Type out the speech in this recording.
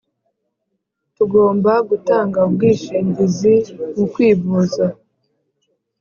Tugomba gutanga ubwishingizi mukwivuza